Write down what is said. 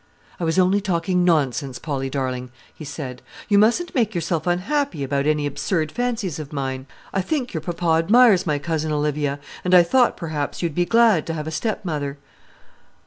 "I was only talking nonsense, Polly darling," he said. "You mustn't make yourself unhappy about any absurd fancies of mine. I think your papa admires my cousin Olivia: and I thought, perhaps, you'd be glad to have a stepmother."